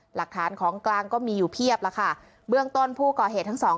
หลักฐานของกลางก็มีอยู่เพียบแล้วค่ะเบื้องต้นผู้ก่อเหตุทั้งสอง